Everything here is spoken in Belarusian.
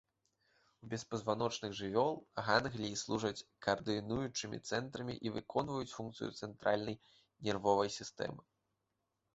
У беспазваночных жывёл гангліі служаць каардынуючымі цэнтрамі і выконваюць функцыю цэнтральнай нервовай сістэмы.